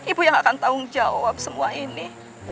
ibu yang akan tanggung jawab semua ini